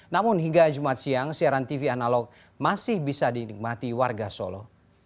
namun hingga jumat siang siaran tv analog masih bisa dinikmati warga solo